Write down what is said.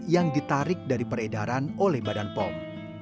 yang ditarik dari peredaran oleh badan pom